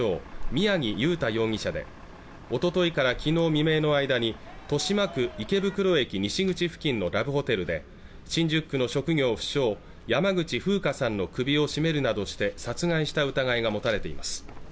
宮城祐太容疑者でおとといからきのう未明の間に豊島区池袋駅西口付近のラブホテルで新宿区の職業不詳山口ふうかさんの首を絞めるなどして殺害した疑いが持たれています